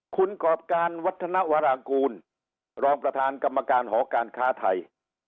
คุณกรอบการวัฒนวรางกูลรองประธานกรรมการหอการค้าไทย